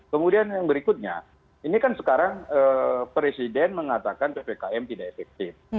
kemudian yang berikutnya ini kan sekarang presiden mengatakan ppkm tidak efektif